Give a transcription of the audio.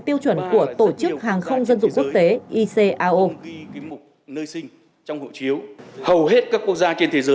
tiêu chuẩn của tổ chức hàng không dân dụng quốc tế icao